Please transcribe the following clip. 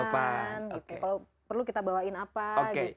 kalau perlu kita bawain apa gitu